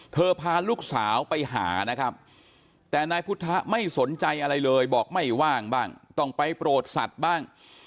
พาลูกสาวไปหานะครับแต่นายพุทธไม่สนใจอะไรเลยบอกไม่ว่างบ้างต้องไปโปรดสัตว์บ้าง